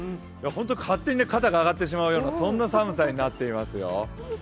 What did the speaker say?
勝手に肩が上がってしまうようなそんな寒さになっていますよ。